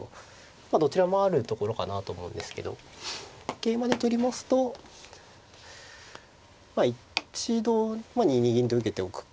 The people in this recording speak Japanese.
まあどちらもあるところかなと思うんですけど桂馬で取りますと一度２二銀と受けておくか。